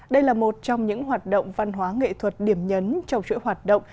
đây là một trong những hoạt động văn hóa nghệ thuật điểm nhấn trong chuỗi hoạt động